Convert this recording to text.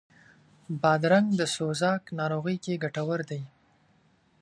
بادرنګ د سوزاک ناروغي کې ګټور دی.